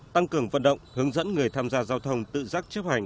tăng cường vận động hướng dẫn người tham gia giao thông tự giác chấp hành